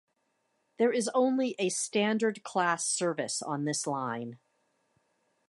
There is only a Standard Class Service on this line.